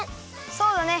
そうだね。